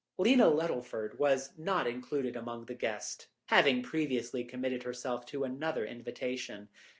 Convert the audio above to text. Lena Luddleford was not included among the guests, having previously committed herself to another invitation.